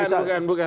bukan bukan bukan